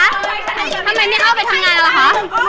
ทำไมไม่เข้าไปทำงานล่ะคะ